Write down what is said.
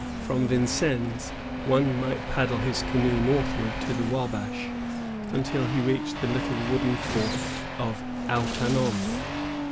From Vincennes one might paddle his canoe northward up the Wabash, until he reached the little wooden fort of Ouatanon.